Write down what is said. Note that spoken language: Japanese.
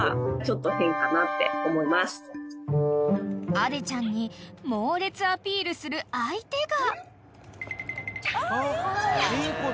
［アデちゃんに猛烈アピールする相手が］